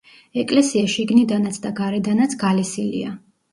ეკლესია შიგნიდანაც და გარედანაც გალესილია.